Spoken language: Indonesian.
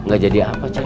gak jadi apa ceng